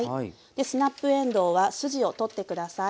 スナップえんどうは筋を取って下さい。